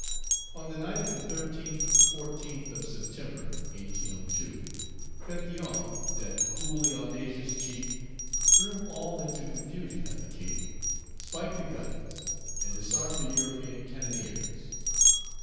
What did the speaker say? On the night of the 13th 14th of September (1802), Pétion, Page 253 that coolly audacious chief, threw all into confusion at the Cape, spiked the guns, and disarmed the European cannoniers."